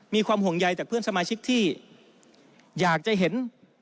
มีความห่วงใยจากเพื่อนสมาชิกที่อยากจะเห็น